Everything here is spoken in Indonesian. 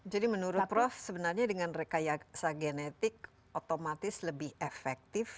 jadi menurut prof sebenarnya dengan rekayasa genetik otomatis lebih efektif